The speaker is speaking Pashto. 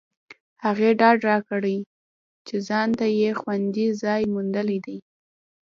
هغې ډاډ راکړ چې ځانته یې خوندي ځای موندلی دی